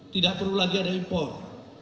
tidak perlu lagi ada impor